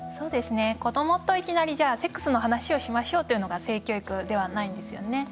子どもといきなりセックスの話をしましょうというのが性教育ではないんですよね。